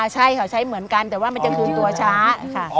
ใช่ค่ะใช้เหมือนกันแต่ว่ามันจะคืนตัวช้าค่ะ